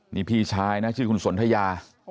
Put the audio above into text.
นี่พี่ชายนะชื่อคุณสนทยา